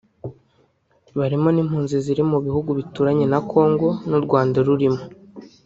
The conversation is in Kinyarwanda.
barimo n’impunzi ziri mu bihugu bituranye na Congo n’u Rwanda rurimo